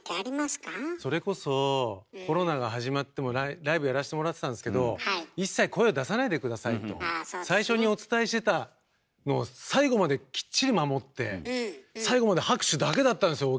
それこそコロナが始まってもライブやらせてもらってたんですけど一切声を出さないで下さいと最初にお伝えしてたのを最後まできっちり守って最後まで拍手だけだったんですよ